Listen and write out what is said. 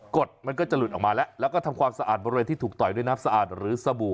ดมันก็จะหลุดออกมาแล้วแล้วก็ทำความสะอาดบริเวณที่ถูกต่อยด้วยน้ำสะอาดหรือสบู่